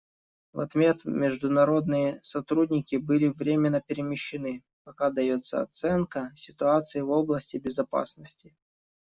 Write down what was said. В ответ международные сотрудники были временно перемещены, пока дается оценка ситуации в области безопасности.